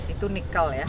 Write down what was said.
itu nikel ya